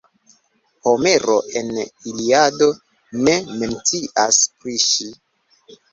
Homero en Iliado ne mencias pri ŝi.